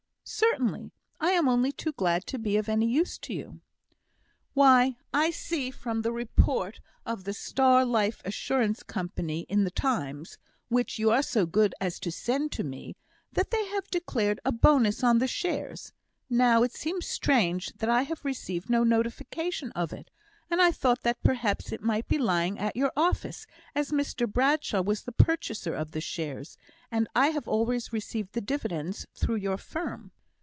"Certainly; I am only too glad to be of any use to you." "Why, I see from the report of the Star Life Assurance Company in the Times, which you are so good as to send me, that they have declared a bonus on the shares; now it seems strange that I have received no notification of it, and I thought that perhaps it might be lying at your office, as Mr Bradshaw was the purchaser of the shares, and I have always received the dividends through your firm."